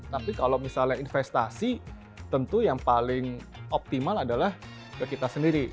tapi kalau misalnya investasi tentu yang paling optimal adalah ke kita sendiri